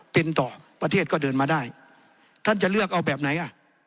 เป็นต่อประเทศก็เดินมาได้ท่านจะเลือกเอาแบบไหนอ่ะ